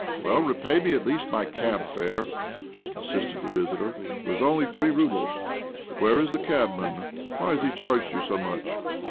" Well, repay me at least my cab fare," insisted the visitor. " It was only three roubles." "Where is the cabman? Why has he charged you so much